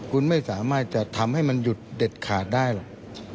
คุณไม่สามารถจะทำให้มันหยุดเด็ดขาดได้หรอก